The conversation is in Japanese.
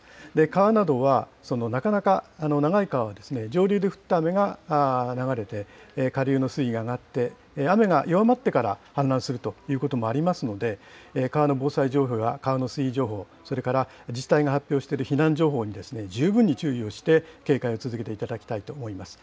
川などはなかなか長い川は上流で降った雨が流れて下流の水位が上がって雨が弱まってから氾濫するということもありますので、川の防災情報や川の水位情報、それから自治体が発表している避難情報に十分に注意をして、警戒を続けていただきたいと思います。